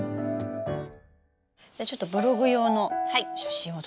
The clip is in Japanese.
じゃちょっとブログ用の写真を撮りますね。